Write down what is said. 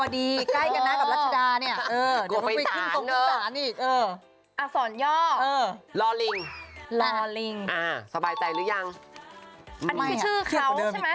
ไอ้ที่ก้อนก้อนของคุณผู้ชม